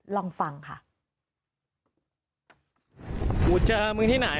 ลองฟังค่ะ